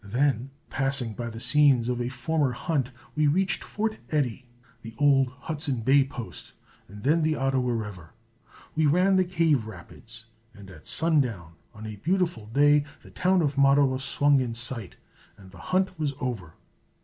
Then passing by the scenes of a former hunt, we reached Fort Eddy, an old Hudson Bay post, and then the Ottawa River. We ran the Cave rapids, and at sundown on a beautiful day the town of Mattawa swung in sight, and the hunt was over.